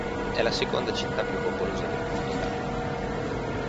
È la seconda città più popolosa del Portogallo.